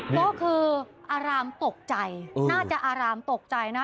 ก็คืออารามตกใจน่าจะอารามตกใจนะ